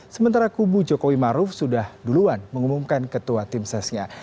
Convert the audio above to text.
sementara kubu jokowi maruf sudah duluan mengumumkan ketua tim sesnya